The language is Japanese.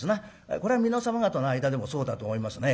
これは皆様方の間でもそうだと思いますね。